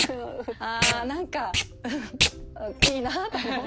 ああなんかいいなと思って。